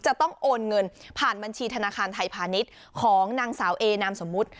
จะต้องโอนเงินผ่านบัญชีธนาคารไทยพาณิชย์ของนางสาวเอนามสมมุติ